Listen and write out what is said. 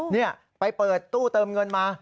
นี่ไปเปิดตู้เติมเงินมา